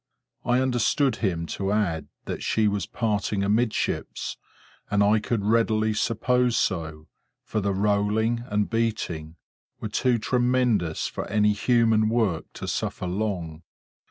I understood him to add that she was parting amidships, and I could readily suppose so, for the rolling and beating were too tremendous for any human work to suffer long.